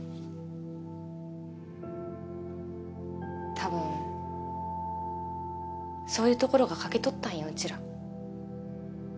たぶんそういうところが欠けとったんようちら。